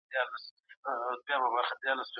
نشه یي توکي ځوانان له منځه وړي.